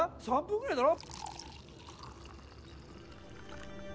３分ぐらいだろ？